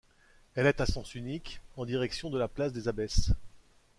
Elle est à sens unique, en direction de la place des Abbesses.